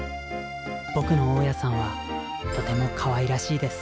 僕の大家さんはとてもかわいらしいです